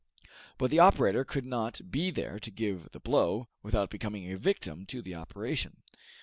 But the operator could not be there to give the blow, without becoming a victim to the operation.